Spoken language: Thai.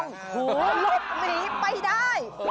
หูหลบหนีไปได้